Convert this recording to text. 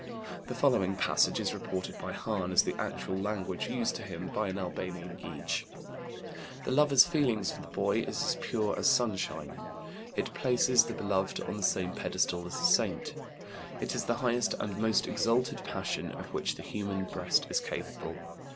The following passage is reported by Hahn as the actual language used to him by an Albanian Gege: "The lover's feeling for the boy is pure as sunshine. It places the beloved on the same pedestal as a saint. It is the highest and most exalted passion of which the human breast is capable.